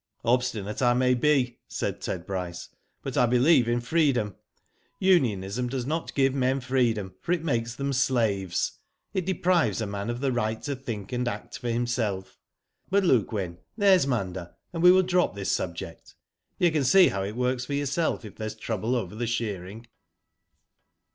" Obstinate I may be," said Ted Bryce, " but I believe in freedom. Unionism does not give men freedom, it makes them slaves. It deprives a man of the right to think and act for himself. But look, Wyn, there's Munda, and we will drop this subject. You can see how it works for yourself if there is trouble over the shearing."